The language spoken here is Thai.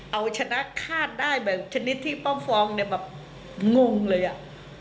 เอาชนะคาดได้แบบชนิดที่ป้าฟองเนี่ยแบบงงเลยอ่ะ